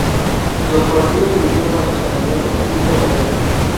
Los partidos eligieron a sus candidatos en dicha ocasión.